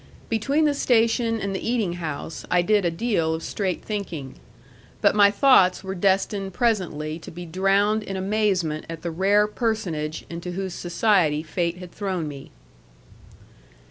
Between the station and the eating house I did a deal of straight thinking. But my thoughts were destined presently to be drowned in amazement at the rare personage into whose society fate had thrown me.